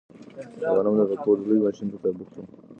د غنمو د پاکولو لوی ماشین په کار بوخت و.